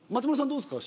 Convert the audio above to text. どうですか？